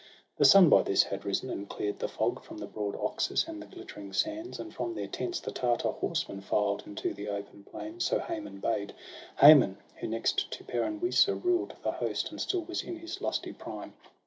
The sun by this had risen, and clear'd the fog From the broad Oxus and the glittering sands. And from their tents the Tartar horsemen filed Into the open plain; so Haman bade — Haman, who next to Peran Wisa ruled The host, and still was in his lusty prime.